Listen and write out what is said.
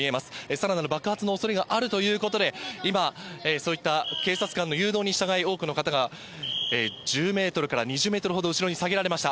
さらなる爆発のおそれがあるということで、今、そういった警察官の誘導に従い、多くの方が１０メートルから２０メートルほど後ろに下げられました。